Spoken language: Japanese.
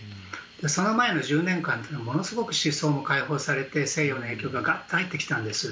その前の１０年間というのは思想も解放されて西洋の影響がガッと入ってきたんです。